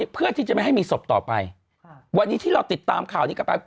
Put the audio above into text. เพื่อที่จะไม่ให้มีศพต่อไปวันนี้ที่เราติดตามข่าวนี้กลับไป